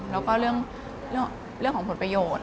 แล้วก็เรื่องของผลประโยชน์